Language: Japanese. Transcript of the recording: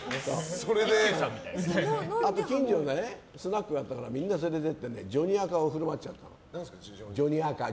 近所にスナックがあったからみんな連れてってジョニアカを振る舞ってあげた。